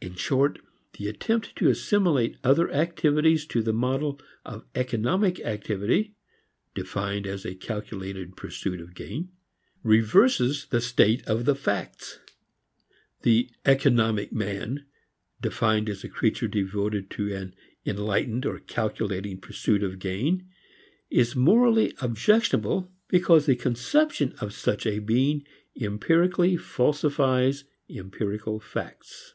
In short the attempt to assimilate other activities to the model of economic activity (defined as a calculated pursuit of gain) reverses the state of the facts. The "economic man" defined as a creature devoted to an enlightened or calculating pursuit of gain is morally objectionable because the conception of such a being empirically falsifies empirical facts.